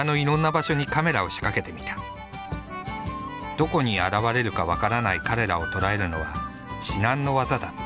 どこに現れるか分からない彼らを捉えるのは至難の業だった。